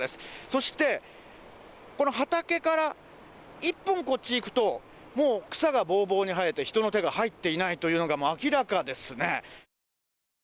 そして、この畑から一本こっちに行くと、もう草がぼーぼーに生えて、人の手が入っていないというのが明らかですね。